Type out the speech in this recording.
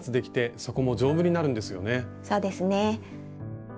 そうですね。